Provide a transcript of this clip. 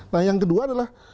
nah yang kedua adalah